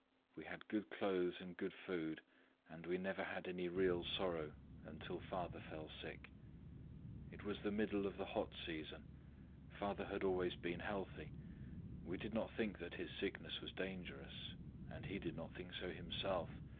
We had good clothes and good food; and we never had any real sorrow until father fell sick. "It was the middle of the hot season. Father had always been healthy: we did not think that his sickness was dangerous, and he did not think so himself.